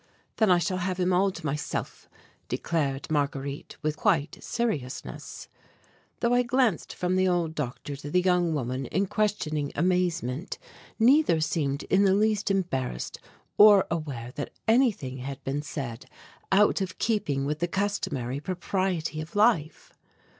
"Then I shall have him all to myself," declared Marguerite with quiet seriousness. Though I glanced from the old doctor to the young woman in questioning amazement, neither seemed in the least embarrassed or aware that anything had been said out of keeping with the customary propriety of life.